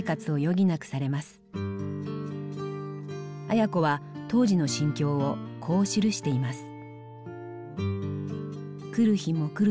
綾子は当時の心境をこう記しています。